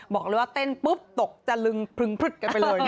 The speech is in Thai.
บอกเลยว่าเต้นปุ๊บตกจะลึงพลึงพลึดกันไปเลย